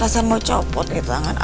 rasanya mau copot nih tangan